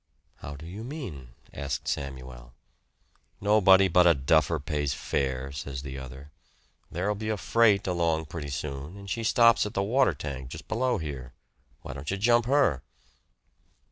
"How do you mean?" asked Samuel. "Nobody but a duffer pays fare," said the other. "There'll be a freight along pretty soon, and she stops at the water tank just below here. Why don't you jump her?"